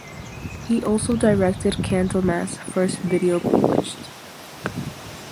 He also directed Candlemass' first video "Bewitched".